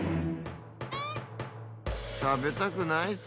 たべたくなイス。